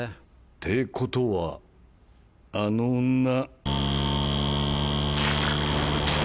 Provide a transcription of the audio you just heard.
てことはあの女。